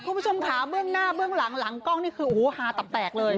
คุณผู้ชมค่ะเบื้องหน้าเบื้องหลังหลังกล้องนี่คือโอ้โหฮาตับแตกเลย